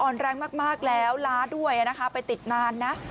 อ่อนแรงมากมากแล้วล้าด้วยอ่ะนะคะไปติดนานน่ะ